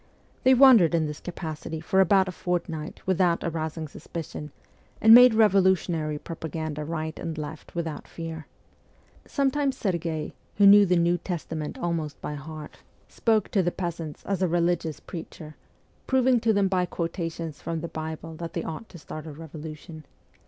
They wandered in this capacity for about a fortnight without arousing suspicion, and made revolutionary propaganda right and left without fear. Sometimes Serghei, who knew the New Testament almost by VOL. II. I 114 MEMOIRS OF A REVOLUTIONIST heart, spoke to the peasants as a religious preacher, proving to them by quotations from the Bible that they ought to start a revolution.